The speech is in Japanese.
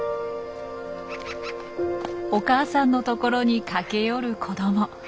お母さんの所に駆け寄る子ども。